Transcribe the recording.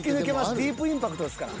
ディープインパクトですから。